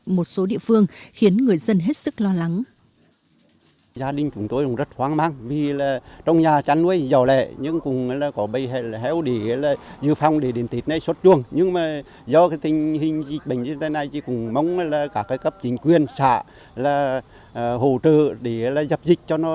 một số địa phương khiến người dân hết sức lo lắng